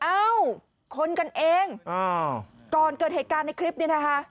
เอ้าคนกันเองก่อนเกิดเหตุการณ์ในคลิปนี้นะคะ